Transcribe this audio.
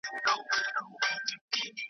بله لمبه به په پانوس کي تر سهاره څارې .